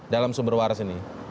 dalam sumber waris ini